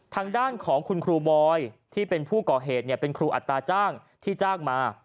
ทางด้านของคุณครูบอยที่เป็นผู้ก่อเหตุเป็นครูอัตราจ้างที่จ้างมา